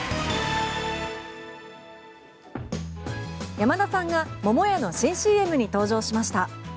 山田さんが桃屋の新ＣＭに登場しました。